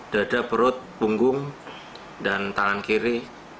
dada perut punggung dan tangan kiri